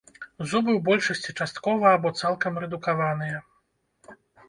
Зубы ў большасці часткова або цалкам рэдукаваныя.